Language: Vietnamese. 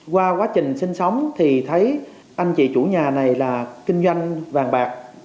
qua quá trình sinh sống thì thấy anh chị chủ nhà này là kinh doanh vàng bạc